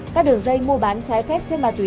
các đường dây mua bán trái phép trên ma túy